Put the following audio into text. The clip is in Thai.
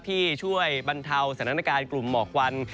ที่ช่วยบรรเทาสถานการณ์กลุ่มหมอกควัน